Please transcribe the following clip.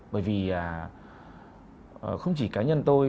bởi vì không chỉ cá nhân tôi